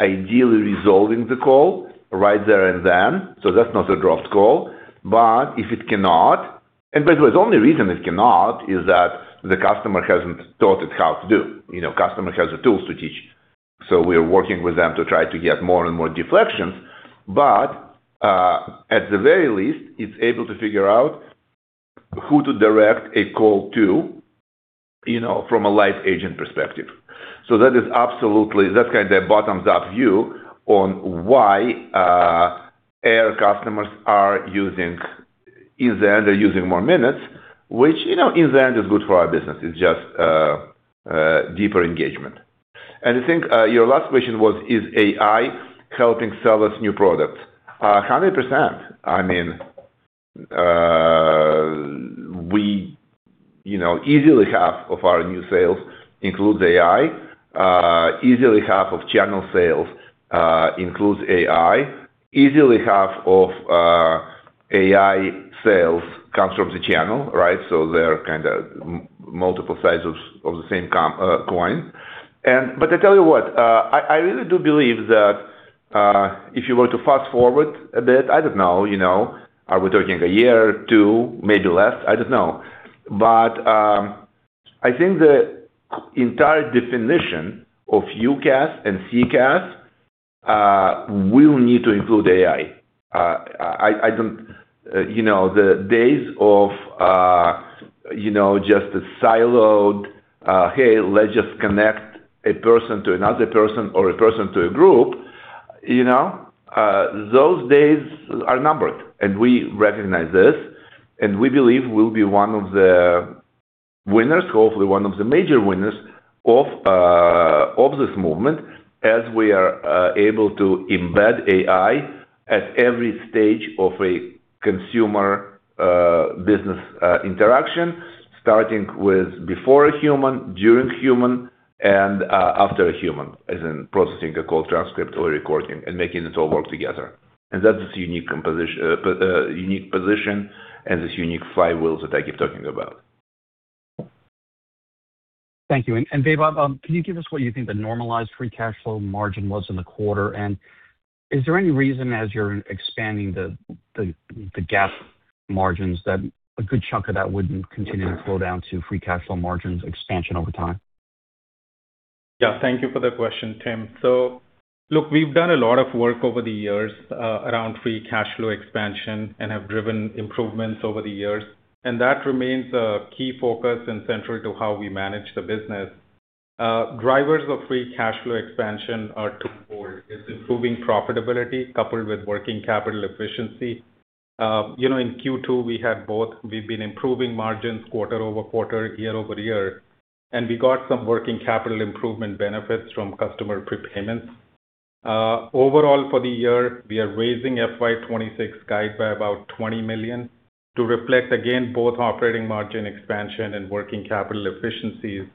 ideally resolving the call right there and then, so that's not a dropped call. If it cannot, and by the way, the only reason it cannot is that the customer hasn't taught it how to do. Customer has the tools to teach. We are working with them to try to get more and more deflections. At the very least, it's able to figure out who to direct a call to from a live agent perspective. That is absolutely, that's kind of a bottoms-up view on why AIR customers are using, in the end, they're using more minutes, which in the end is good for our business. It's just deeper engagement. I think your last question was, is AI helping sell us new products? 100%. Easily half of our new sales includes AI. Easily half of channel sales includes AI. Easily half of AI sales comes from the channel, right? They're kind of multiple sides of the same coin. I tell you what, I really do believe that if you were to fast-forward a bit, I don't know. Are we talking a year, two, maybe less? I don't know. I think the entire definition of UCaaS and CCaaS will need to include AI. The days of just a siloed, "Hey, let's just connect a person to another person or a person to a group," those days are numbered, and we recognize this, and we believe we'll be one of the winners, hopefully one of the major winners of this movement as we are able to embed AI at every stage of a consumer-business interaction, starting with before a human, during human, and after a human, as in processing a call transcript or a recording and making it all work together. That is a unique position and this unique flywheels that I keep talking about. Thank you. Vaibhav, can you give us what you think the normalized free cash flow margin was in the quarter? Is there any reason, as you're expanding the GAAP margins, that a good chunk of that wouldn't continue to flow down to free cash flow margins expansion over time? Thank you for the question, Tim. Look, we've done a lot of work over the years around free cash flow expansion and have driven improvements over the years, and that remains a key focus and central to how we manage the business. Drivers of free cash flow expansion are two-fold. It's improving profitability coupled with working capital efficiency. In Q2, we had both. We've been improving margins quarter-over-quarter, year-over-year, and we got some working capital improvement benefits from customer prepayments. Overall, for the year, we are raising FY 2026 guide by about $20 million to reflect, again, both operating margin expansion and working capital efficiencies.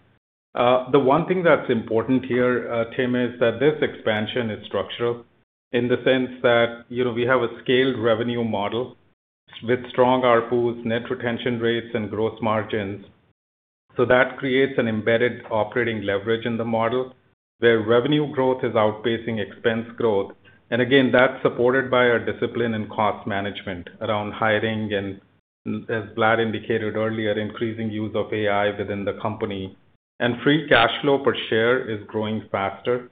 The one thing that's important here, Tim, is that this expansion is structural in the sense that we have a scaled revenue model with strong ARPU, net retention rates, and gross margins. That creates an embedded operating leverage in the model where revenue growth is outpacing expense growth. Again, that's supported by our discipline and cost management around hiring and, as Vlad indicated earlier, increasing use of AI within the company. Free cash flow per share is growing faster.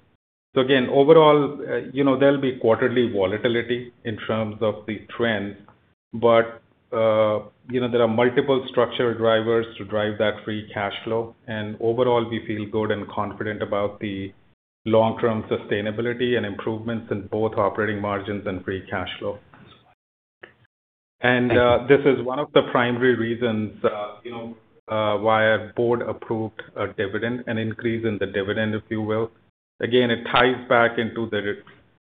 Again, overall, there'll be quarterly volatility in terms of the trends, but there are multiple structural drivers to drive that free cash flow. Overall, we feel good and confident about the long-term sustainability and improvements in both operating margins and free cash flow. Thank you. This is one of the primary reasons why our board approved a dividend, an increase in the dividend, if you will. Again, it ties back into the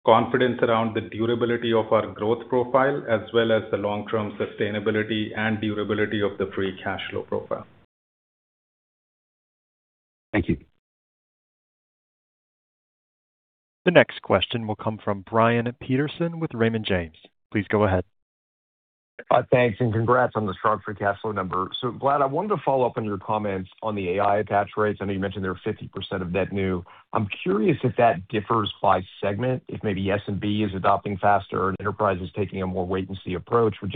confidence around the durability of our growth profile, as well as the long-term sustainability and durability of the free cash flow profile. Thank you. The next question will come from Brian Peterson with Raymond James. Please go ahead. Thanks, congrats on the strong free cash flow number. Vlad, I wanted to follow up on your comments on the AI attach rates. I know you mentioned they were 50% of net new. I'm curious if that differs by segment, if maybe SMB is adopting faster and enterprise is taking a more wait-and-see approach. Would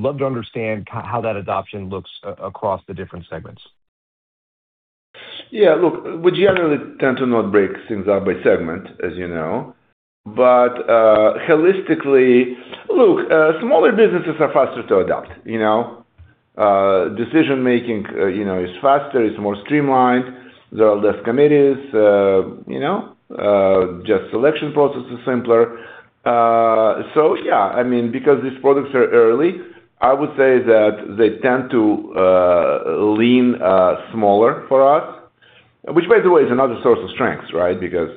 love to understand how that adoption looks across the different segments. Yeah, look, we generally tend to not break things up by segment, as you know. Holistically, look, smaller businesses are faster to adopt. Decision-making is faster, it's more streamlined. There are less committees, just selection process is simpler. Yeah, because these products are early, I would say that they tend to lean smaller for us, which by the way, is another source of strength, right? Because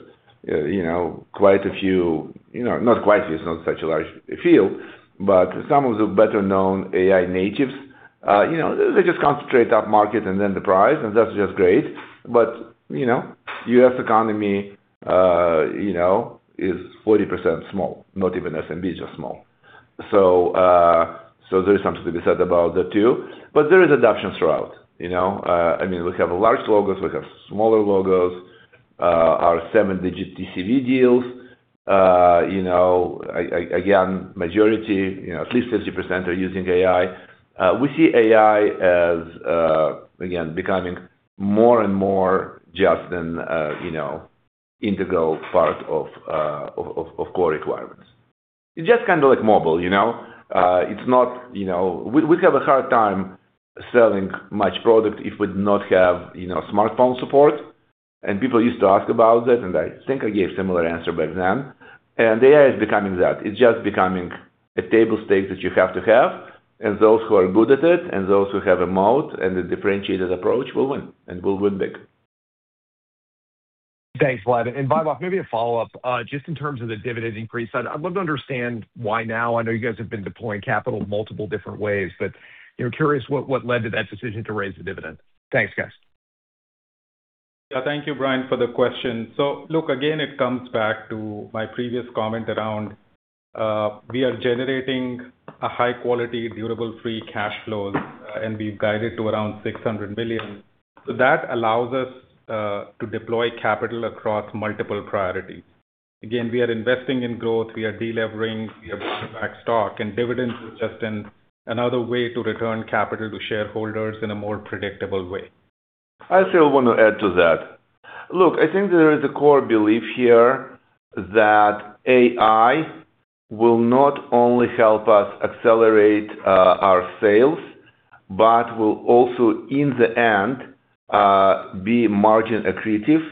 quite a few, not quite a few, it's not such a large field, but some of the better-known AI natives, they just concentrate up-market and enterprise, and that's just great. U.S. economy is 40% small, not even SMBs are small. There is something to be said about that, too. There is adoption throughout. We have large logos, we have smaller logos. Our seven-digit TCV deals, again, majority, at least 50% are using AI. We see AI as, again, becoming more and more just an integral part of core requirements. Just like mobile. We'd have a hard time selling much product if we did not have smartphone support, and people used to ask about that, and I think I gave similar answer back then. AI is becoming that. It's just becoming a table stake that you have to have, and those who are good at it, and those who have a mode and a differentiated approach will win, and will win big. Thanks, Vlad. Vaibhav, maybe a follow-up, just in terms of the dividend increase, I'd love to understand why now. I know you guys have been deploying capital multiple different ways, but curious what led to that decision to raise the dividend. Thanks, guys. Yeah. Thank you, Brian, for the question. Look, again, it comes back to my previous comment around we are generating a high-quality, durable free cash flows, and we've guided to around $600 million. That allows us to deploy capital across multiple priorities. Again, we are investing in growth, we are de-levering, we are buying back stock, and dividends is just another way to return capital to shareholders in a more predictable way. I still want to add to that. Look, I think there is a core belief here that AI will not only help us accelerate our sales, but will also, in the end, be margin accretive.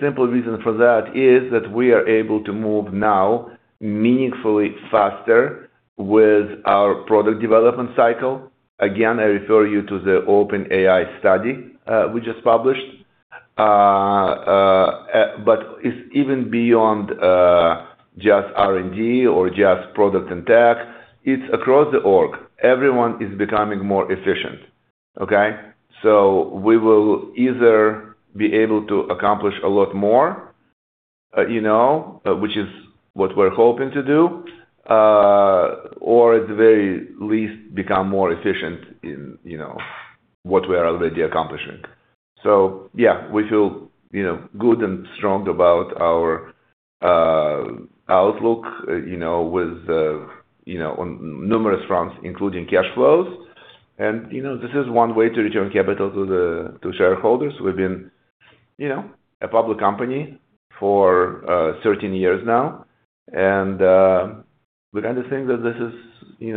Simple reason for that is that we are able to move now meaningfully faster with our product development cycle. Again, I refer you to the OpenAI study we just published. It's even beyond just R&D or just product and tech. It's across the org. Everyone is becoming more efficient. Okay. We will either be able to accomplish a lot more, which is what we're hoping to do, or at the very least, become more efficient in what we are already accomplishing. Yeah, we feel good and strong about our outlook, on numerous fronts, including cash flows. This is one way to return capital to shareholders. We've been a public company for 13 years now, we kind of think that this is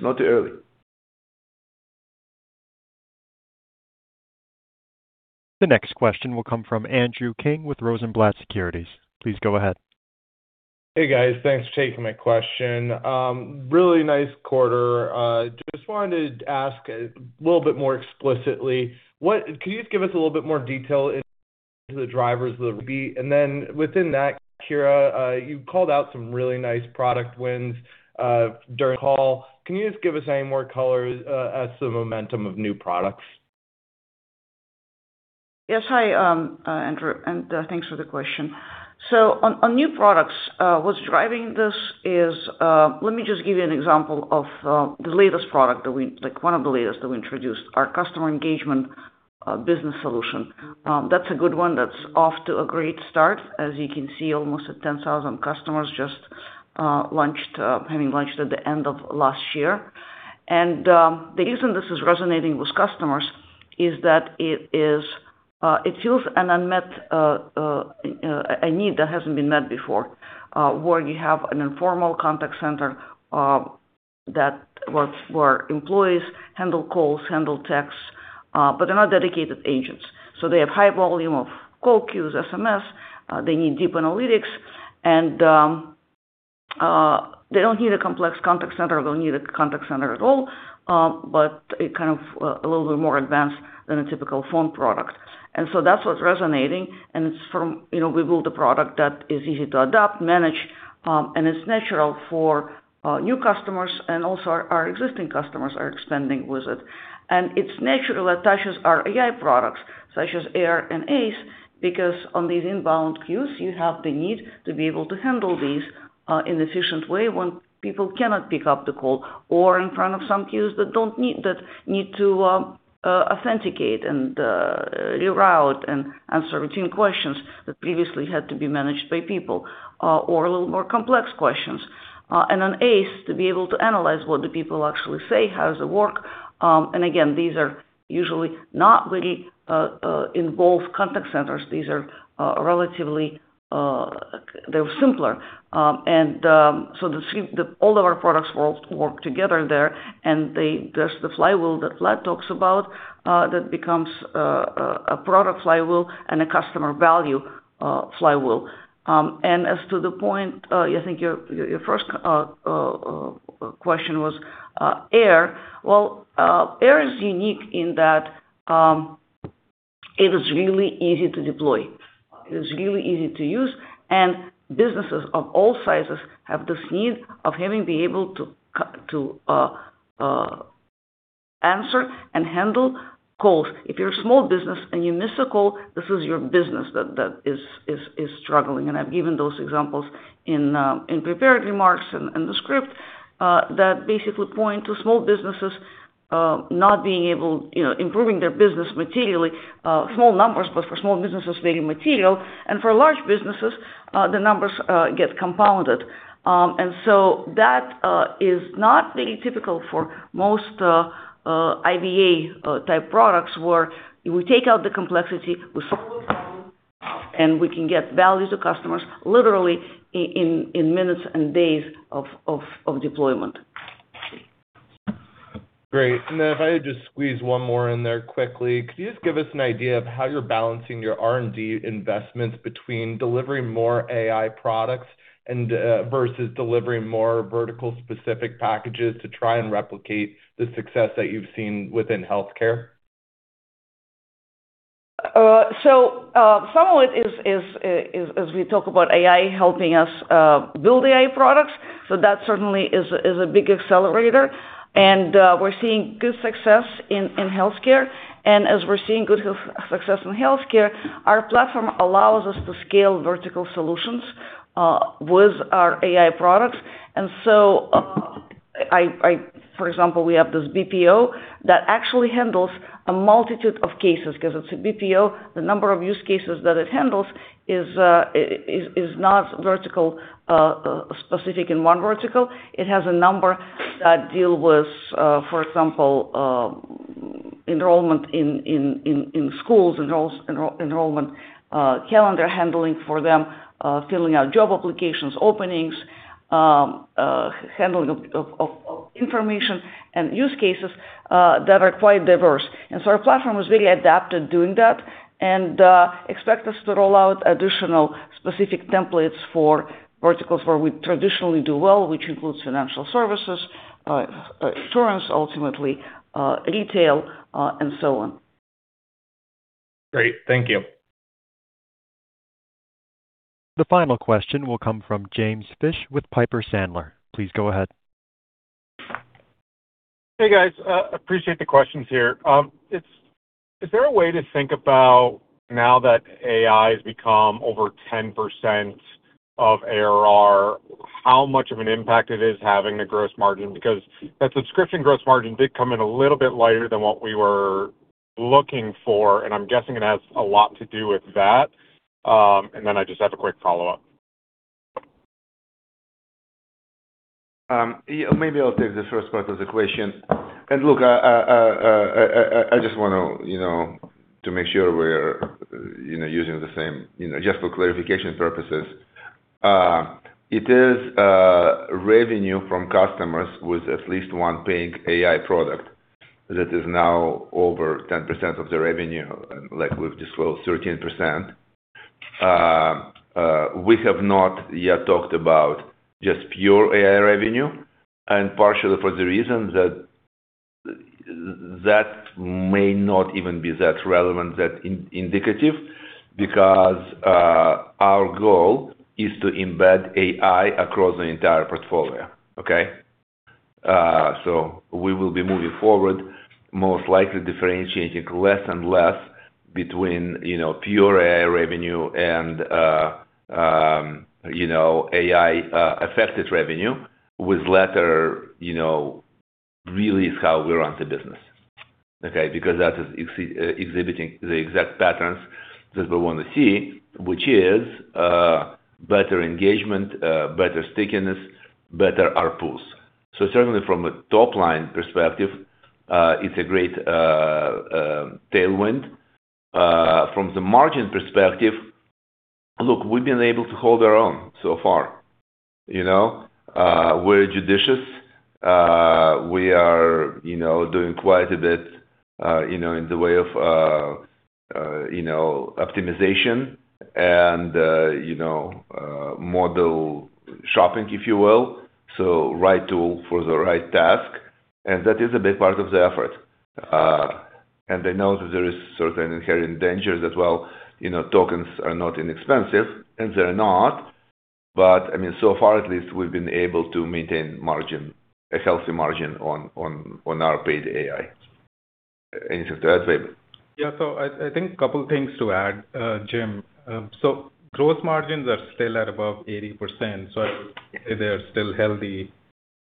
not too early. The next question will come from Andrew King with Rosenblatt Securities. Please go ahead. Hey, guys. Thanks for taking my question. Really nice quarter. Just wanted to ask a little bit more explicitly, could you just give us a little bit more detail into the drivers of the repeat? Then within that, Kira, you called out some really nice product wins during the call. Can you just give us any more color as to the momentum of new products? Yes. Hi, Andrew, thanks for the question. On new products, what's driving this is. Let me just give you an example of the latest product, one of the latest that we introduced, our Customer Engagement Bundle. That's a good one that's off to a great start. As you can see, almost at 10,000 customers, just having launched at the end of last year. The reason this is resonating with customers is that it fills a need that hasn't been met before, where you have an informal contact center, where employees handle calls, handle texts, but they're not dedicated agents. They have high volume of call queues, SMS. They need deep analytics, and they don't need a complex contact center or don't need a contact center at all. A little bit more advanced than a typical phone product. That's what's resonating. We built a product that is easy to adopt, manage, and it's natural for new customers and also our existing customers are expanding with it. It's natural attaches our AI products such as AIR and ACE, because on these inbound queues, you have the need to be able to handle these in efficient way when people cannot pick up the call or in front of some queues that need to authenticate and reroute and answer routine questions that previously had to be managed by people, or a little more complex questions. ACE, to be able to analyze what the people actually say, how does it work. Again, these are usually not really involved contact centers. These are relatively simpler. All of our products work together there, and there's the flywheel that Vlad talks about that becomes a product flywheel and a customer value flywheel. As to the point, I think your first question was AIR. Well, AIR is unique in that it is really easy to deploy. It is really easy to use, and businesses of all sizes have this need of having be able to answer and handle calls. If you're a small business and you miss a call, this is your business that is struggling. I've given those examples in prepared remarks in the script, that basically point to small businesses not being able, improving their business materially. Small numbers, but for small businesses, very material. For large businesses, the numbers get compounded. That is not very typical for most IVA-type products, where we take out the complexity, we solve the problem, and we can get value to customers literally in minutes and days of deployment. Great. If I could just squeeze one more in there quickly, could you just give us an idea of how you're balancing your R&D investments between delivering more AI products versus delivering more vertical specific packages to try and replicate the success that you've seen within healthcare? Some of it is, as we talk about AI helping us build AI products. That certainly is a big accelerator, and we're seeing good success in healthcare. As we're seeing good success in healthcare, our platform allows us to scale vertical solutions with our AI products. For example, we have this BPO that actually handles a multitude of cases. Because it's a BPO, the number of use cases that it handles is not vertical specific in one vertical. It has a number that deal with for example, enrollment in schools, enrollment calendar handling for them, filling out job applications, openings, handling of information and use cases that are quite diverse. Our platform is very adapted doing that. Expect us to roll out additional specific templates for verticals where we traditionally do well, which includes financial services, insurance, ultimately retail, and so on. Great. Thank you. The final question will come from James Fish with Piper Sandler. Please go ahead. Hey, guys. Appreciate the questions here. Is there a way to think about now that AI has become over 10% of ARR, how much of an impact it is having the gross margin, because that subscription gross margin did come in a little bit lighter than what we were looking for, and I'm guessing it has a lot to do with that. I just have a quick follow-up. Maybe I'll take the first part of the question. Look, I just want to make sure we're using the same. For clarification purposes, it is revenue from customers with at least one paying AI product that is now over 10% of the revenue, like we've disclosed, 13%. We have not yet talked about just pure AI revenue, partially for the reason that may not even be that relevant, that indicative, because our goal is to embed AI across the entire portfolio. Okay? We will be moving forward, most likely differentiating less and less between pure AI revenue and AI-affected revenue, with latter really is how we run the business. Okay? That is exhibiting the exact patterns that we want to see, which is better engagement, better stickiness, better ARPUs. Certainly from a top-line perspective, it's a great tailwind. From the margin perspective, look, we've been able to hold our own so far. We're judicious. We are doing quite a bit in the way of optimization and model shopping, if you will. Right tool for the right task, that is a big part of the effort. I know that there is certain inherent dangers as well. Tokens are not inexpensive, and they're not. So far at least, we've been able to maintain a healthy margin on our paid AI. Anything to add, Vaibhav? Yeah. I think a couple things to add, Jim. Gross margins are still at above 80%, I would say they are still healthy.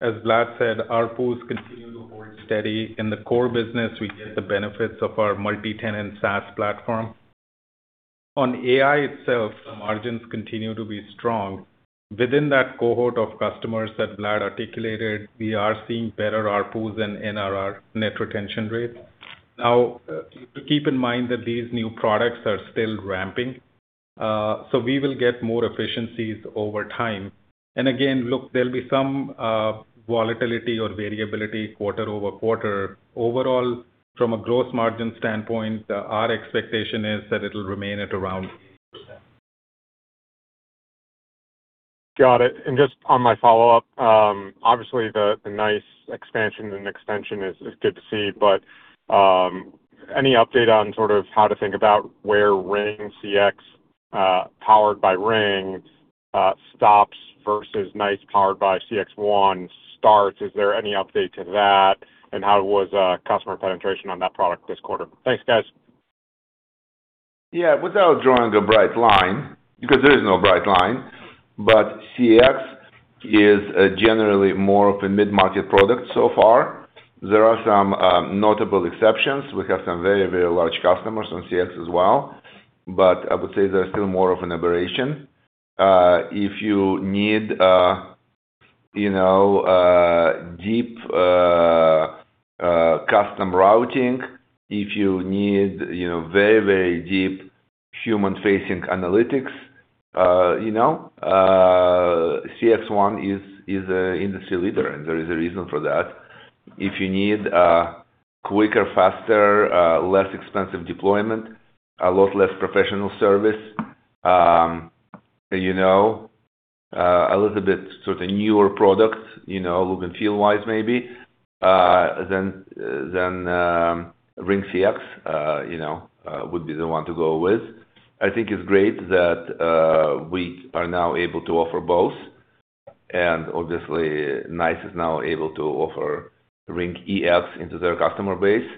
As Vlad said, ARPUs continue to hold steady. In the core business, we get the benefits of our multi-tenant SaaS platform. On AI itself, the margins continue to be strong. Within that cohort of customers that Vlad articulated, we are seeing better ARPUs and NRR, net retention rate. Keep in mind that these new products are still ramping, we will get more efficiencies over time. Again, look, there'll be some volatility or variability quarter-over-quarter. Overall, from a gross margin standpoint, our expectation is that it'll remain at around. Got it. Just on my follow-up, obviously the NiCE expansion and extension is good to see. Any update on how to think about where RingCX, powered by RingCentral, stops versus NiCE powered by CXone starts? Is there any update to that? How was customer penetration on that product this quarter? Thanks, guys. Yeah. Without drawing a bright line, because there is no bright line, CX is generally more of a mid-market product so far. There are some notable exceptions. We have some very large customers on CX as well, but I would say they're still more of an aberration. If you need deep custom routing, if you need very deep human-facing analytics, CXone is an industry leader, there is a reason for that. If you need quicker, faster, less expensive deployment, a lot less professional service, a little bit sort of newer product, a little bit field wide maybe, then RingCX would be the one to go with. I think it's great that we are now able to offer both. Obviously, NiCE is now able to offer RingEX into their customer base.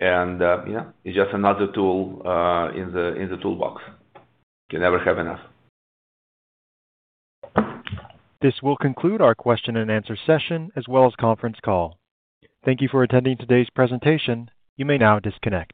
Yeah, it's just another tool in the toolbox. You can never have enough. This will conclude our question and answer session as well as conference call. Thank you for attending today's presentation. You may now disconnect.